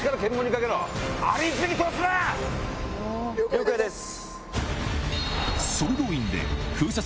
了解です。